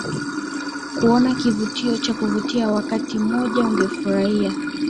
kuona kivutio cha kuvutia wakati moja ungefurahia